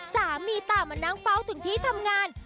สามีตามมานั่งเฝ้าถึงที่ทำงาน